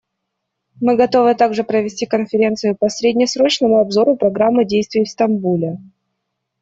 Мы готовы также провести конференцию по среднесрочному обзору Программы действий в Стамбуле.